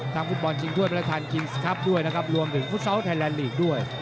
ทั้งฟุตบอลชิงช่วยเบลคานคลิงส์ครับด้วยรวมถึงฟุตซอสไทยแลนด์ลีกด้วย